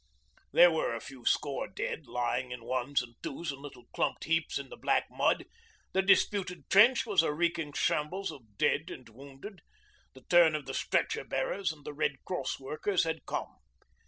There were a few score dead lying in ones and twos and little clumped heaps in the black mud; the disputed trench was a reeking shambles of dead and wounded; the turn of the stretcher bearers and the Red Cross workers had come.